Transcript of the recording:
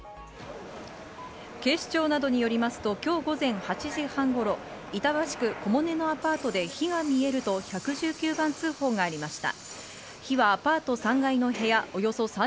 警視庁などによりますと今日午前８時半頃、板橋区小茂根のアパートで火が見えると１１９番通報がありました。